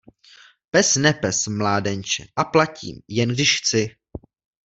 Pes nepes, mládenče, a platím, jen když chci.